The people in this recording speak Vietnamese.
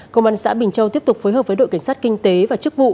công an xã bình châu tiếp tục phối hợp với đội cảnh sát kinh tế và chức vụ